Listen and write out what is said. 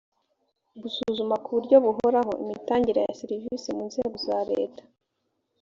gusuzuma ku buryo buhoraho imitangire ya serivisi mu nzego za leta